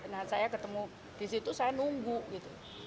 nah saya ketemu di situ saya nunggu gitu